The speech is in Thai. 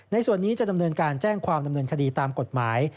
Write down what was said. ส่วนนี้จะดำเนินการแจ้งความดำเนินคดีตามกฎหมาย